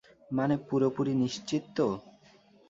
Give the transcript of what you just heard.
মানে, পুরোপুরি নিশ্চিত তো?